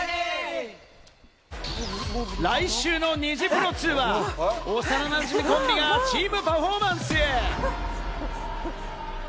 来週のニジプロ２は幼なじみコンビがチーム・パフォーマンスへ。